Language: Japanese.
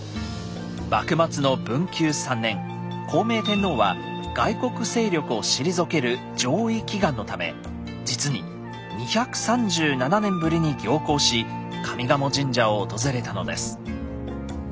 幕末の文久３年孝明天皇は外国勢力を退ける攘夷祈願のため実に２３７年ぶりに行幸し上賀茂神社を訪れたのです。